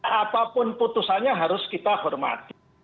apapun putusannya harus kita hormati